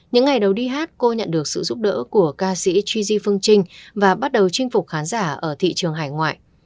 những ngày đầu đi hát cô nhận được sự giúp đỡ của ca sĩ chuji phương trinh và bắt đầu chinh phục khán giả ở thị trường hải ngoại